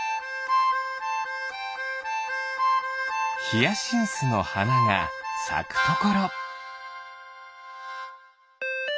ヒヤシンスのはながさくところ。